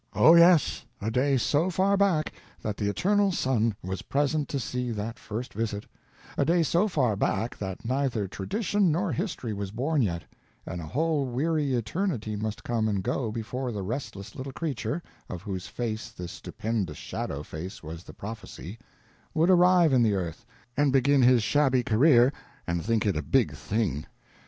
Oh yes, a day so far back that the eternal son was present to see that first visit; a day so far back that neither tradition nor history was born yet and a whole weary eternity must come and go before the restless little creature, of whose face this stupendous Shadow Face was the prophecy, would arrive in the earth and begin his shabby career and think it a big thing.